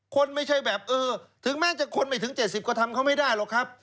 คนไม่ใช่แบบเออถึงแม้จะคนไม่ถึง๗๐ก็ทำเขาไม่ได้หรอกครับ